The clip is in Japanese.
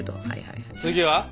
次は？